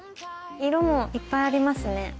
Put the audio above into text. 色もいっぱいありますね。